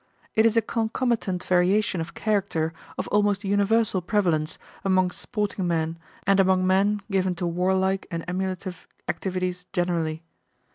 It is a concomitant variation of character of almost universal prevalence among sporting men and among men given to warlike and emulative activities generally.